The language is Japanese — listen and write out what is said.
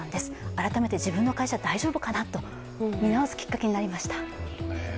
改めて自分の会社、大丈夫かなと見直すきっかけになりました。